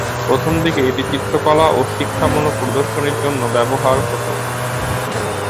প্রথম দিকে এটি চিত্রকলা ও শিক্ষামূলক প্রদর্শনীর জন্য ব্যবহার হত।